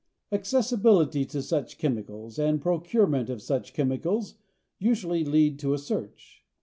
Accessibility to such chemicals and procurement of such chemicals usually lead to a search.